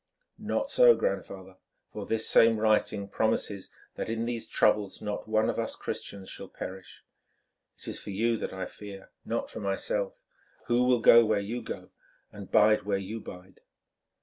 "Not so, grandfather, for this same writing promises that in these troubles not one of us Christians shall perish. It is for you that I fear, not for myself, who will go where you go, and bide where you bide.